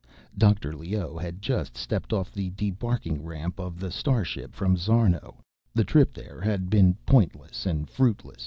Dr. Leoh had just stepped off the debarking ramp of the starship from Szarno. The trip there had been pointless and fruitless.